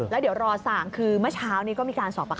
แล้วเดี๋ยวรอสั่งคือเมื่อเช้านี้ก็มีการสอบประค